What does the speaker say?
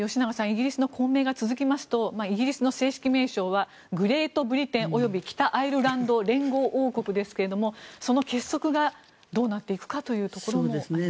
イギリスの混迷が続きますとイギリスの正式名称はグレートブリテン及び北アイルランド連合王国ですがその結束がどうなっていくかというところもありますね。